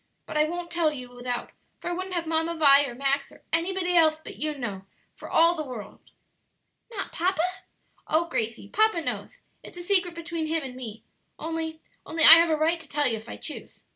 But I won't tell you without, for I wouldn't have Mamma Vi, or Max, or anybody else but you know, for all the world." "Not papa?" "Oh, Gracie, papa knows; it's a secret between him and me only only I have a right to tell you if I choose."